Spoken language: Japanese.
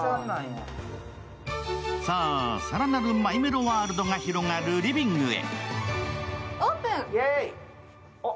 さあ、さらなるマイメロワールドが広がるリビングへ。